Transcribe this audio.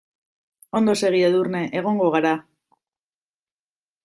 Ondo segi Edurne, egongo gara.